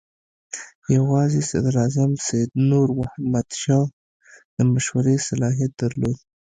یوازې صدراعظم سید نور محمد شاه د مشورې صلاحیت درلود.